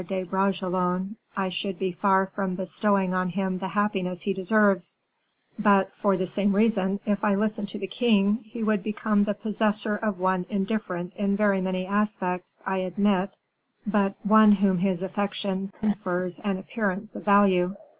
de Bragelonne, I should be far from bestowing on him the happiness he deserves; but, for the same reason, if I listen to the king he would become the possessor of one indifferent in very many aspects, I admit, but one whom his affection confers an appearance of value.